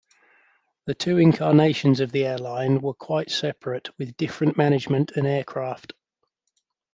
The two incarnations of the airline were quite separate with different management and aircraft.